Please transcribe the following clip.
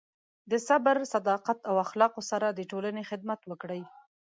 د صبر، صداقت، او اخلاقو سره د ټولنې خدمت وکړئ.